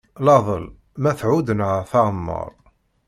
Iaɛdel ma thudd neɣ teɛmeṛ.